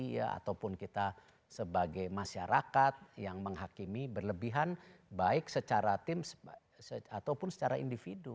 ataupun kita sebagai masyarakat yang menghakimi berlebihan baik secara tim ataupun secara individu